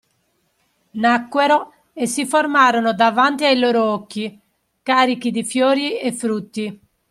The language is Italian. Nacquero e si formarono davanti ai loro occhi, carichi di fiori e frutti.